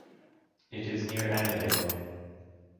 It is near Annadale.